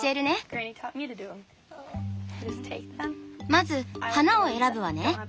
まず花を選ぶわね。